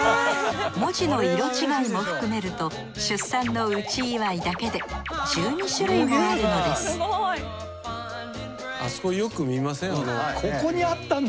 文字の色違いも含めると出産の内祝いだけで１２種類もあるのですあそこよく見ません？